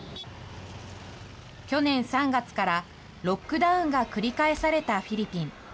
去年３月からロックダウンが繰り返されたフィリピン。